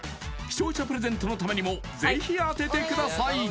視聴者プレゼントのためにもぜひ当ててください